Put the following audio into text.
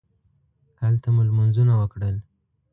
هلته مو لمونځونه وکړل.